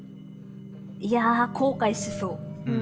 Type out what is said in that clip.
いや後悔しそう。